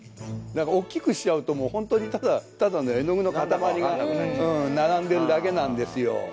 おっきくしちゃうとホントにただの絵の具の塊が並んでるだけなんですよ。